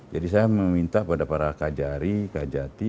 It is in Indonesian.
jadi saya meminta kepada para kajari kajati